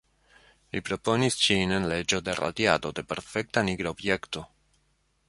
Li proponis ĝin en leĝo de radiado de perfekta nigra objekto.